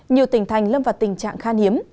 nhiều tỉnh thành lâm vào tình trạng khan hiếm